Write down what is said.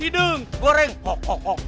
hidung goreng kok kok kok